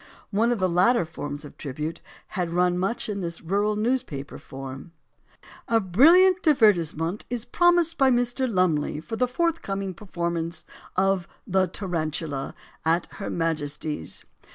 One of the latter forms of tribute had run much in this rural newspaper form: "A brilliant divertissement is promised by Mr. Lum ley for the forthcoming performance of "The Tarantula,* at Her Majesty's.